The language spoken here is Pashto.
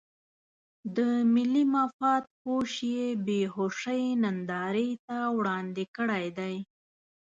د ملي مفاد هوش یې بې هوشۍ نندارې ته وړاندې کړی دی.